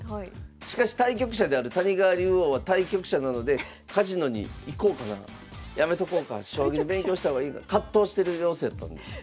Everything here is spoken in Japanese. しかし対局者である谷川竜王は対局者なのでカジノに行こうかなやめとこうか将棋の勉強した方がいいかな葛藤してる様子やったんですね。